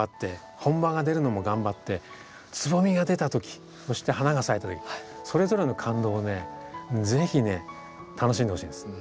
本葉が出るのも頑張ってつぼみが出た時そして花が咲いた時それぞれの感動をね是非ね楽しんでほしいんです。